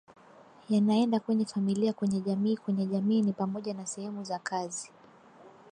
yanaenda kwenye familia kwenye jamii kwenye jamii ni pamoja na sehemu za kazi